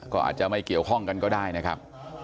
ก็อาจจะไม่เกี่ยวข้องกันก็ได้นะครับ